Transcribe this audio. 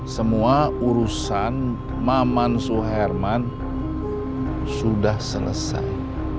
semua urusan maman suherman sudah selesai